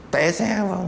té xe vào